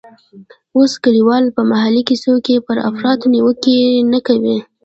اوس کلیوال په محلي کیسو کې پر افراط نیوکې نه کوي.